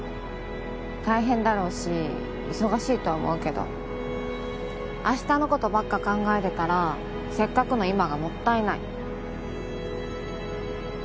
大変だろうし忙しいとは思うけど明日のことばっか考えてたらせっかくの今がもったいない。